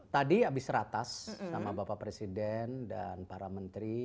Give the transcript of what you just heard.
tadi habis ratas sama bapak presiden dan para menteri